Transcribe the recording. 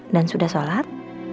dan sudah sholat